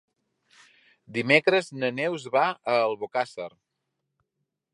Dimecres na Neus va a Albocàsser.